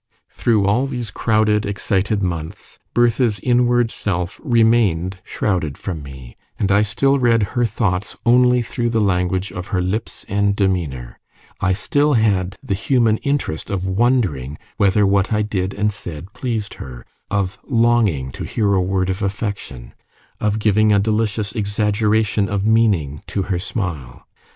Through all these crowded excited months, Bertha's inward self remained shrouded from me, and I still read her thoughts only through the language of her lips and demeanour: I had still the human interest of wondering whether what I did and said pleased her, of longing to hear a word of affection, of giving a delicious exaggeration of meaning to her smile.